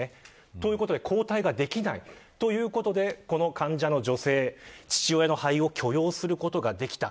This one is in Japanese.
ということで抗体ができない。ということでこの患者の女性、父親の肺を許容することができた。